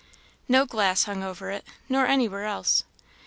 No glass hung over it, nor anywhere else.